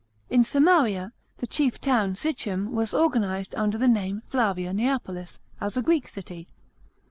In Samaria, the chief town, Sichem, was organised under the name Flavia Neapolis, as a Greek city.